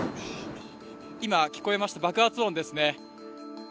今、聞こえました爆発音ですね。